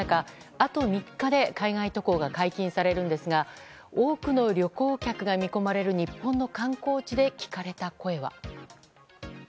あと３日で海外渡航が解禁されるんですが多くの旅行客が見込まれる日本の観光地で聞かれた声は。